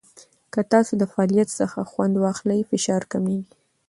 که تاسو د فعالیت څخه خوند واخلئ، فشار کمېږي.